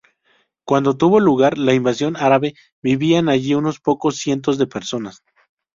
Cuando tuvo lugar la invasión árabe, vivían allí unos pocos cientos de personas.